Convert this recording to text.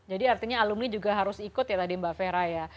jadi artinya alumni juga harus ikut ya tadi mbak fera ya